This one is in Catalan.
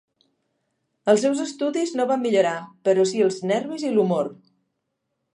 Els seus estudis no van millorar, però sí els nervis i l'humor.